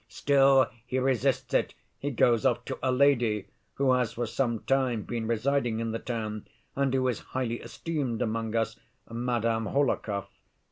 Still he resists it; he goes off to a lady who has for some time been residing in the town, and who is highly esteemed among us, Madame Hohlakov.